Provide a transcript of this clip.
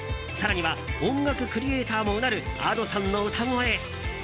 更には音楽クリエーターもうなるＡｄｏさんの歌声。